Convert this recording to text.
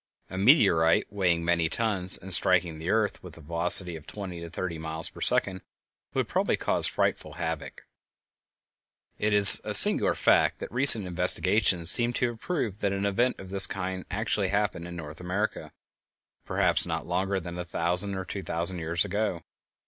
A meteorite weighing many tons and striking the earth with a velocity of twenty or thirty miles per second, would probably cause frightful havoc. [Illustration: Looking across Coon Butte crater from northern rim] It is a singular fact that recent investigations seem to have proved that an event of this kind actually happened in North America—perhaps not longer than a thousand or two thousand years ago.